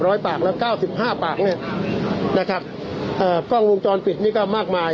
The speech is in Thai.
ปากละเก้าสิบห้าปากเนี้ยนะครับเอ่อกล้องวงจรปิดนี่ก็มากมาย